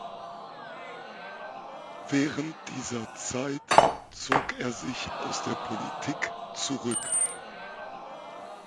Während dieser Zeit zog er sich aus der Politik zurück.